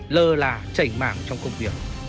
lơ là chảy mạng trong công việc